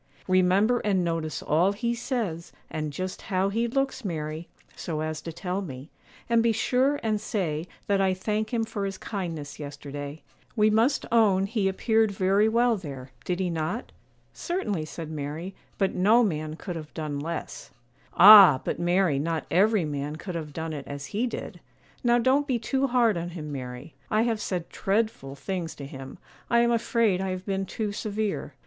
'Remember and notice all he says, and just how he looks, Mary, so as to tell me; and be sure and say that "I thank him for his kindness yesterday;" we must own he appeared very well there; did he not?' 'Certainly,' said Mary; 'but no man could have done less.' 'Ah! but Mary, not every man could have done it as he did; now don't be too hard on him, Mary; I have said dreadful things to him; I am afraid I have been too severe.